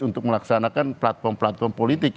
untuk melaksanakan platform platform politik